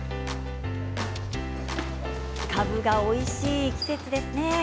かぶがおいしい季節ですね。